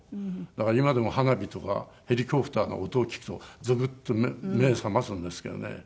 だから今でも花火とかヘリコプターの音を聞くとゾクッと目覚ますんですけどね。